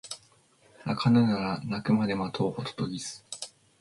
鳴かぬなら鳴くまで待とうホトトギス